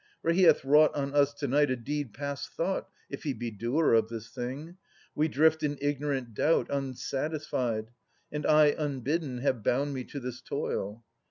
For he hath wrought on us to nigljt a deed Past thought — if he be doer of this thing ; We drift in ignorant doubt, unsatisfied :— And I unbidden have bound me to this toil.